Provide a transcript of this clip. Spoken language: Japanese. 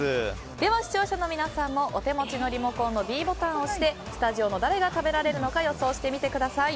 では、視聴者の皆さんもお手持ちのリモコンのｄボタンを押してスタジオの誰が食べられるのか予想してみてください。